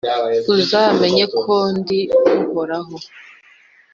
Uzamenye kondi Uhoraho